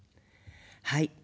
はい。